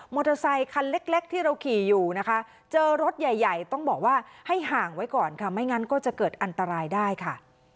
อเตอร์ไซคันเล็กที่เราขี่อยู่นะคะเจอรถใหญ่ใหญ่ต้องบอกว่าให้ห่างไว้ก่อนค่ะไม่งั้นก็จะเกิดอันตรายได้ค่ะ